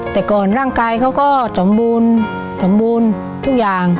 แต่ก่อนร่างกายเขาก็สมบูรณ์สมบูรณ์ทุกอย่าง